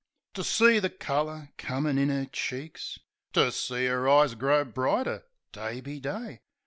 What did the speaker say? To see the colour comin' in 'er cheeks, To see 'er eyes grow brighter day be day.